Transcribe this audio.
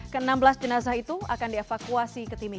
ke enam belas jenazah itu akan dievakuasi